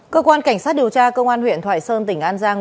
cơ quan cảnh sát điều tra công an huyện thoại sơn tỉnh an giang